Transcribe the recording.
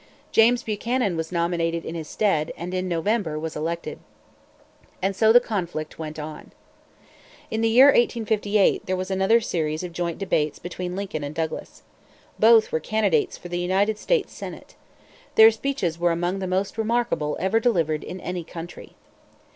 James Buchanan was nominated in his stead, and, in November, was elected. And so the conflict went on. In the year 1858 there was another series of joint debates between Lincoln and Douglas. Both were candidates for the United States Senate. Their speeches were among the most remarkable ever delivered in any country.